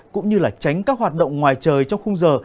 cũng như là tránh các hoạt động ngoài trời trong khung giờ